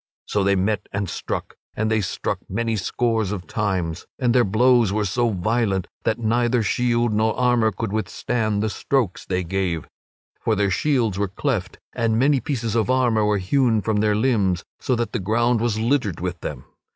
So they met and struck; and they struck many scores of times, and their blows were so violent that neither shield nor armor could withstand the strokes they gave. For their shields were cleft and many pieces of armor were hewn from their limbs, so that the ground was littered with them.